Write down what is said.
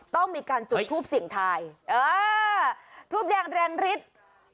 ต้องมีการจุดทูปสิ่งทายทูปแยงแรงฤทธิ์